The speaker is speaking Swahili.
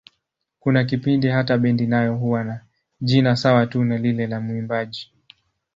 Kuna kipindi hata bendi nayo huwa na jina sawa tu na lile la mwimbaji.